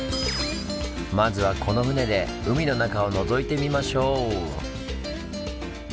まずはこの船で海の中をのぞいてみましょう！